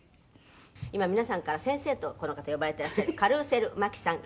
「今皆さんから“先生”とこの方呼ばれてらっしゃるカルーセル麻紀さん